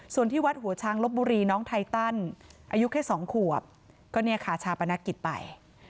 ส่วนที่วัดหัวช้างลบบุรีน้องไทตันอายุแค่๒ขวบก็เนี่ยค่ะชาปนกิจไป